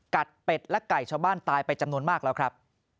เป็ดและไก่ชาวบ้านตายไปจำนวนมากแล้วครับ